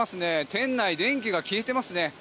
店内、電気が消えてますね。